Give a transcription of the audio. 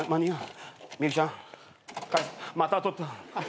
また取った。